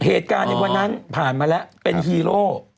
เหตุการณ์ในวันนั้นผ่านมาแล้วเป็นฮีโร่